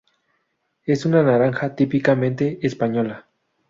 Es una naranja típicamente española.